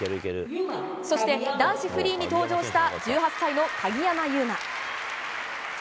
そして男子フリーに登場した１８歳の鍵山優真。